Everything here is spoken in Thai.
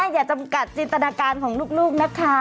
อย่าจำกัดจินตนาการของลูกนะคะ